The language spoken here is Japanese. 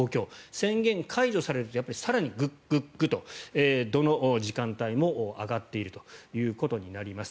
宣言解除されると更にグッグッグッとどの時間帯も上がっているということになります。